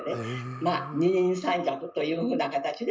まあ二人三脚というふうな形で。